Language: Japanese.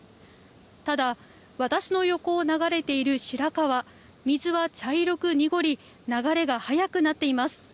ただ、私の横を流れている白川、水は茶色く濁り、流れが速くなっています。